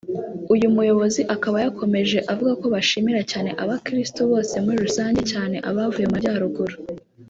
uyu muyobozi akaba yakomeje avugako bashimira cyane Abakristo bose muri rusange cyane abavuye Mu Majyaruguru